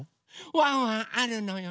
ワンワンあるのよね。